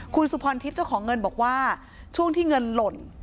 คุณสุพรทิพย์เจ้าของเงินบอกว่าช่วงที่เงินหล่น